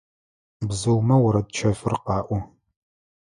Бзыумэ орэд чэфыр къаӀо.